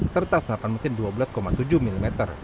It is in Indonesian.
serta senapan mesin dua belas tujuh mm